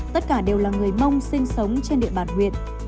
tất cả đều là người mong sinh sống trên địa bàn huyện